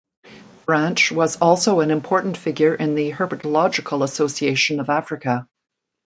Branch was also an important figure in the Herpetological Association of Africa.